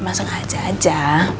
emang sengaja aja